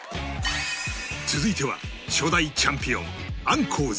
続いては初代チャンピオン